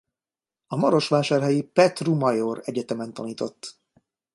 A marosvásárhelyi Petru Maior Egyetemen tanított.